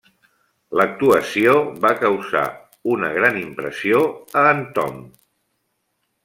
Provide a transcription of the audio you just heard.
L'actuació va causar una gran impressió a en Tom.